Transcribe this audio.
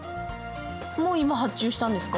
もう今発注したんですか？